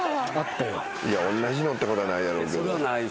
おんなじのってことはないやろうけど。